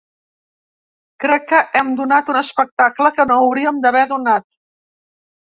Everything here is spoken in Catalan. Crec que hem donat un espectacle que no hauríem d’haver donat.